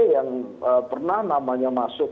yang pernah namanya masuk